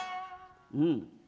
「うん。